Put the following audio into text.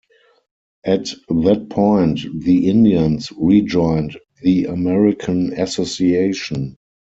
At that point the Indians rejoined the American Association.